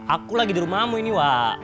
aku lagi di rumahmu ini wah